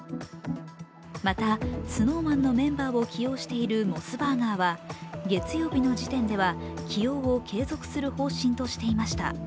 また、ＳｎｏｗＭａｎのメンバーを起用しているモスバーガーは、月曜日の時点では起用を継続する方針としていました。